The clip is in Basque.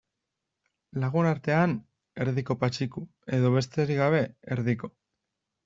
Lagunartean, Erdiko Patxiku edo, besterik gabe, Erdiko.